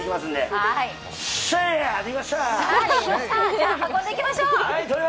じゃあ運んでいきましょう！